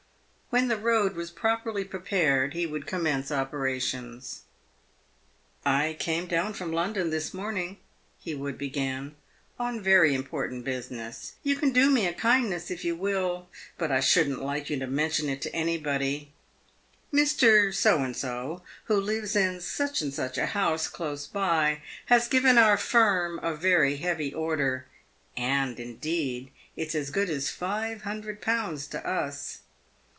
When the road was properly prepared he would commence operations. " I came down from London this morning," he would begin, " on very important business. Tou can do me a kindness if you will, but I shouldn't like you to mention it to any body. Mr. So and So, who lives in such and such a house close by, has given our firm a very heavy order — and, indeed, it's as good as five hundred pounds to us.